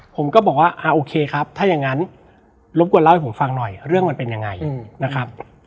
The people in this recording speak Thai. ผมก็บอกว่าอ่าโอเคครับถ้าอย่างนั้นรบกวนเล่าให้ผมฟังหน่อยเรื่องมันเป็นยังไงนะครับ